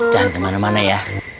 jangan kemana mana ya